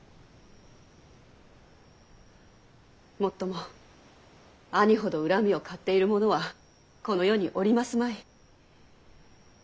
もっとも兄ほど恨みを買っている者はこの世におりますまい。